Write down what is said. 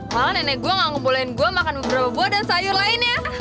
malah nenek gue gak ngebolehin gue makan brobo dan sayur lainnya